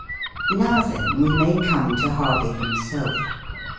Now then we may come to Harvey himself.